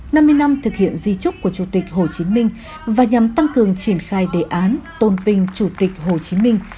năm mươi năm thực hiện di trúc của chủ tịch hồ chí minh và nhằm tăng cường triển khai đề án tôn vinh chủ tịch hồ chí minh